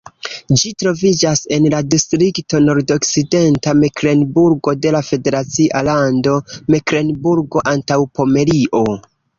Ĝi troviĝas en la distrikto Nordokcidenta Meklenburgo de la federacia lando Meklenburgo-Antaŭpomerio.